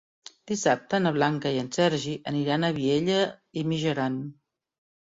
Dissabte na Blanca i en Sergi aniran a Vielha e Mijaran.